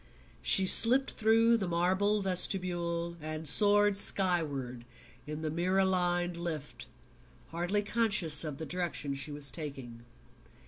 She slipped through the marble vestibule and soared skyward in the mirror lined lift, hardly conscious of the direction she was taking.